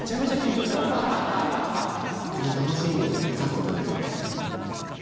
楽しんで見させていただいております。